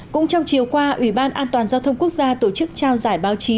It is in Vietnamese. cũng trong chiều qua ủy ban an toàn giao thông quốc gia tổ chức trao giải báo chí